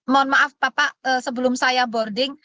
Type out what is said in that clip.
mohon maaf pak pak sebelum saya boarding